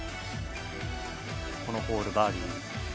このホール、バーディー。